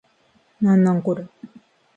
なんなんこれ